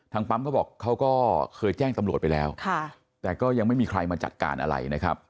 ปั๊มเขาบอกเขาก็เคยแจ้งตำรวจไปแล้วแต่ก็ยังไม่มีใครมาจัดการอะไรนะครับ